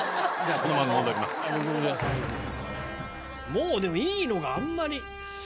もうでもいいのがあんまり。